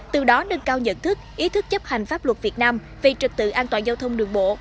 từ đó nâng cao nhận thức ý thức chấp hành pháp luật việt nam về trực tự an toàn giao thông đường bộ